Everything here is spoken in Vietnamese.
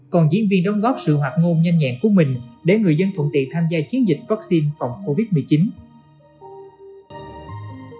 còn diễn viên đóng góp sự hoạt ngôn nhanh nhẹn của mình để người dân thuận tiện tham gia chiến dịch vaccine phòng covid một mươi chín